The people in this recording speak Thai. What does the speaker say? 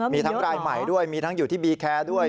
มีทั้งรายใหม่ด้วยมีทั้งอยู่ที่บีแคร์ด้วย